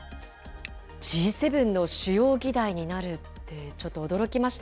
Ｇ７の主要議題になるって、ちょっと驚きました。